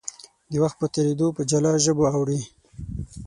د وخت په تېرېدو په جلا ژبو اوړي.